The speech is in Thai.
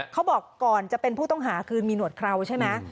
เขาบอกก่อนจะเป็นผู้ต้องหาคืนมีหนวดเคราวใช่ไหม